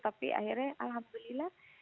tapi akhirnya alhamdulillah